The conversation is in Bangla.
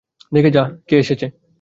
দেখে যা, কে এসেছে।